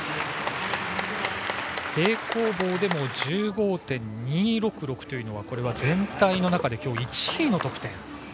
平行棒でも１５．２６６というのはこれは全体の中で今日１位の得点。